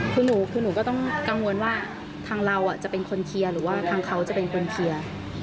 คือหนูคือหนูก็ต้องกังวลว่าทางเราจะเป็นคนเคลียร์หรือว่าทางเขาจะเป็นคนเคลียร์